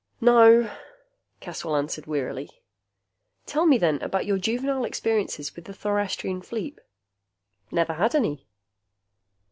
"No," Caswell answered wearily. "Tell me, then, about your juvenile experiences with the thorastrian fleep." "Never had any."